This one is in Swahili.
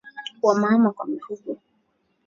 Kuhamahama kwa mifugo